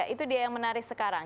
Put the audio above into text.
itu dia yang menarik sekarang